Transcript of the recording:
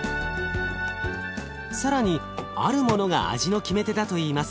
更にあるものが味の決め手だといいます。